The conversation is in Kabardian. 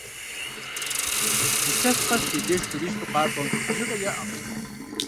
Илъэс къэс дэ ди деж туристу къакӀуэм бжыгъэ яӀэкъым.